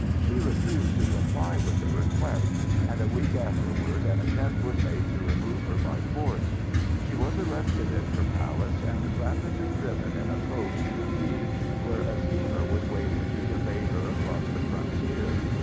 She refused to comply with the request, and a week afterwards an attempt was made to remove her by force. She was arrested in her palace, and rapidly driven in a coach to the quay, where a steamer was waiting to convey her across the frontier.